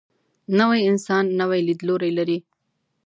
نوی انسان نوی لیدلوری لري